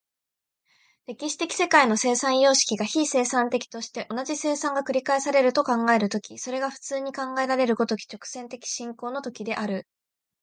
歴史的世界の生産様式が非生産的として、同じ生産が繰り返されると考えられる時、それが普通に考えられる如き直線的進行の時である。